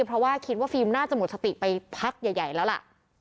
เพราะว่าคิดว่าฟิล์มน่าจะหมดสติไปพักใหญ่แล้วล่ะ